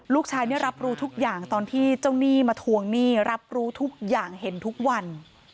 ได้รับรู้ทุกอย่างตอนที่เจ้าหนี้มาทวงหนี้รับรู้ทุกอย่างเห็นทุกวัน